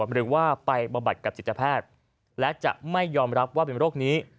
หรือว่าไปบำบัดกับจิตแพทย์และจะไม่ยอมรับว่าเป็นโรคนี้